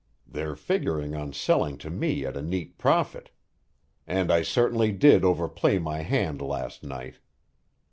They're figuring on selling to me at a neat profit. And I certainly did overplay my hand last night.